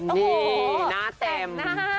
นี่หน้าเต็ม